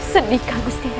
sedih kang gusti ratu